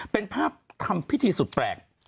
เป็นภาพทำพิธีสุดแปลก